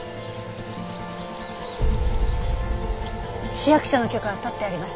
市役所の許可は取ってあります。